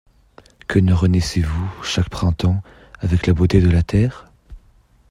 Que ne renaissez-vous, chaque printemps, avec la beauté de la terre?